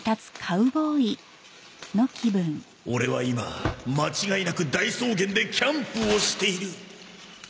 オレは今間違いなく大草原でキャンプをしている！